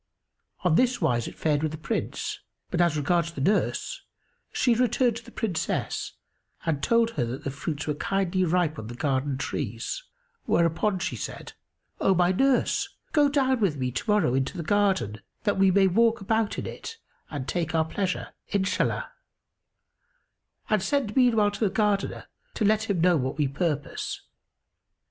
On this wise fared it with the Prince; but as regards the nurse, she returned to the Princess and told her that the fruits were kindly ripe on the garden trees; whereupon she said, "O my nurse, go down with me to morrow into the garden, that we may walk about in it and take our pleasure,—Inshallah; and send meanwhile to the Gardener, to let him know what we purpose."